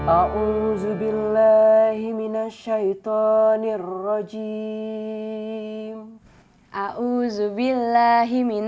aku mau ngajarin